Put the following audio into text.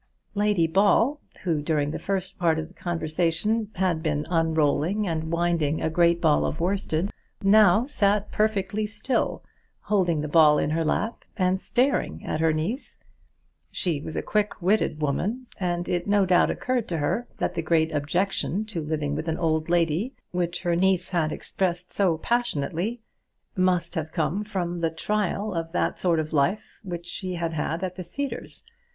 Lady Ball, who during the first part of the conversation had been unrolling and winding a great ball of worsted, now sat perfectly still, holding the ball in her lap, and staring at her niece. She was a quick witted woman, and it no doubt occurred to her that the great objection to living with an old lady, which her niece had expressed so passionately, must have come from the trial of that sort of life which she had had at the Cedars.